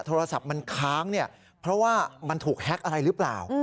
โทรศัพท์มันค้างเนี่ยเพราะว่ามันถูกแฮ็กอะไรหรือเปล่า